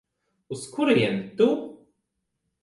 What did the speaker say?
Uz kurieni tu?